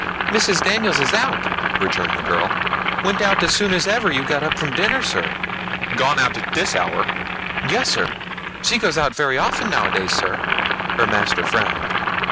"Mrs. Daniels is out," returned the girl, "went out as soon as ever you got up from dinner, sir." "Gone out at this hour?" "Yes sir; she goes out very often nowadays, sir." Her master frowned.